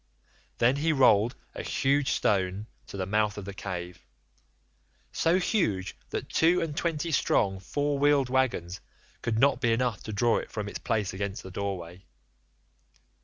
Then he rolled a huge stone to the mouth of the cave—so huge that two and twenty strong four wheeled waggons would not be enough to draw it from its place against the doorway.